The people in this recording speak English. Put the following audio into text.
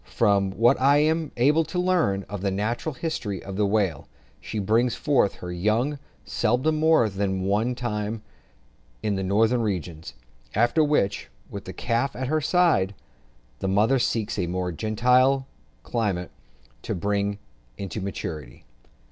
From what I am able to learn of the natural history of the whale, she brings forth her young seldom more than one at a time in the northern regions, after which, with the calf at her side, the mother seeks a more genial climate, to bring it to maturity.